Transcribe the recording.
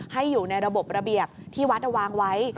อยู่ในระบบระเบียบที่วัดวางไว้